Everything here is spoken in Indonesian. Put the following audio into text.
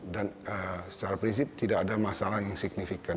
dan secara prinsip tidak ada masalah yang signifikan